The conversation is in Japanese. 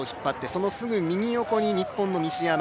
そのすぐ右横に日本の西山。